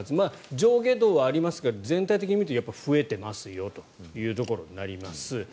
上下動はありますが全体的に見るとやっぱり増えてますよというところになります。